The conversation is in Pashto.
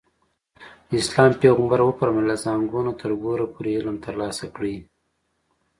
د اسلام پیغمبر وفرمایل له زانګو نه تر ګوره پورې علم ترلاسه کړئ.